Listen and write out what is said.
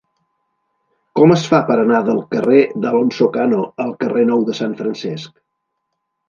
Com es fa per anar del carrer d'Alonso Cano al carrer Nou de Sant Francesc?